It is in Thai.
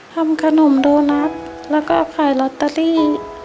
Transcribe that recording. ทำขนมโดนัทแล้วก็ขายลอตเตอรี่